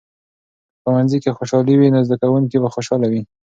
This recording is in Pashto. که ښوونځۍ کې خوشحالي وي، نو زده کوونکي به خوشحاله وي.